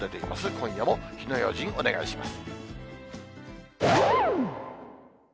今夜も火の用心、お願いします。